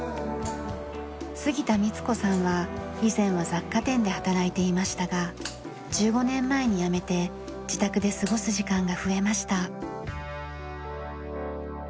杉田光子さんは以前は雑貨店で働いていましたが１５年前に辞めて自宅で過ごす時間が増えました。